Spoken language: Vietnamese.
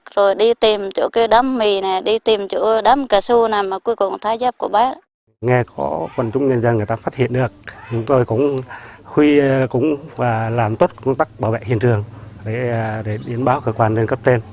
rồi cũng làm tốt công tác bảo vệ hiện trường để biến báo cơ quan lên cấp trên